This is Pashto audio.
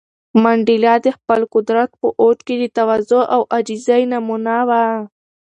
منډېلا د خپل قدرت په اوج کې د تواضع او عاجزۍ نمونه و.